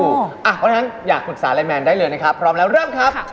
เพราะฉะนั้นอยากปรึกษาอะไรแมนได้เลยนะครับพร้อมแล้วเริ่มครับ